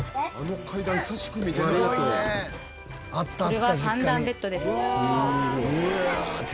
これは３段ベッドです。